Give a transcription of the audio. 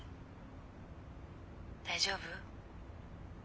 大丈夫？